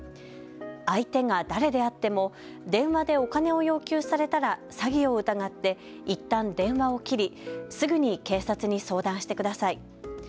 相手が誰であっても電話でお金を要求されたら詐欺を疑っていったん電話を切りすぐに警察に相談してください。